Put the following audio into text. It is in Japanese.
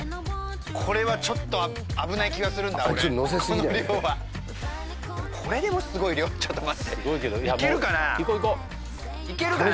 これはちょっと危ない気がするんだ俺この量はこれでもすごい量ちょっと待っていこういこういけるかな？